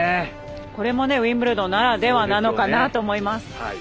これもウィンブルドンならではなのかなと思います。